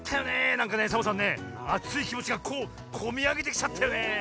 なんかねサボさんねあついきもちがこうこみあげてきちゃったよね。